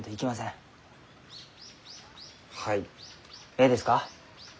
えいですか？